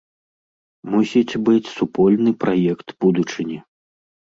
Мусіць быць супольны праект будучыні.